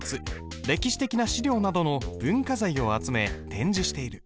歴史的な資料などの文化財を集め展示している。